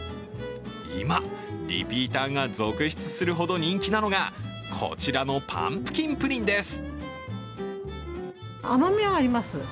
今、リピーターが続出するほど人気なのが、こちらのパンプキンプリンです。